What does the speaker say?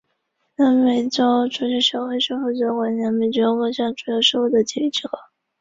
其中两名成员与第一组被捕成员有亲属关系。